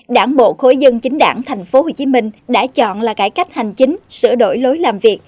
đảng bộ khối dân chính đảng tp hcm đã chọn là cải cách hành chính sửa đổi lối làm việc